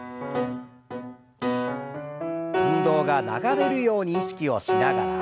運動が流れるように意識をしながら。